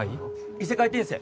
異世界転生